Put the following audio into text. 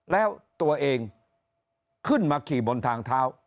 แล้วตัวเองขึ้นมาขี่บนทางเท้า